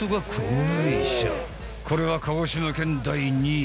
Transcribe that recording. これは鹿児島県第２位。